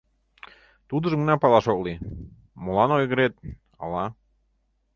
— Тудыжым гына палаш ок лий: молан ойгырет, ала?»